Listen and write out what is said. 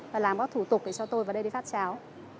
và làm các thủ tục để cho tôi vào đây đi phát cháo